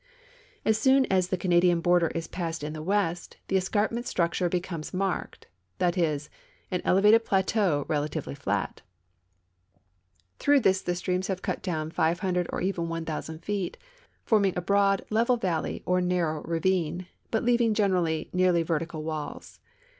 As soon as the Canadian border is passed in the west, the escarpment structure becomes marked^that is, an elevated plateau, relatively flat. Through this the streams have cut down 500 or even 1,000 feet, forming a broad, level valley or narrow ravine, but leaving generally nearly vertical walls.